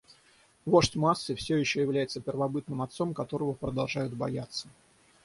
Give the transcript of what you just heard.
Вождь массы все еще является первобытным отцом, которого продолжают бояться.